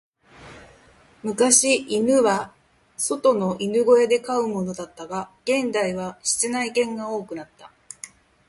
昔、犬は外の犬小屋で飼うものだったが、現代は室内犬が多くなった。